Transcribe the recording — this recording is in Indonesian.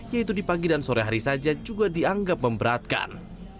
yaitu di pagi dan sore hari saja juga dianggap memberatkan